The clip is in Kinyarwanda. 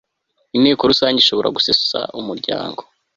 inteko rusange ishobora gusesa umuryango